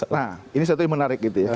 nah ini satu yang menarik gitu ya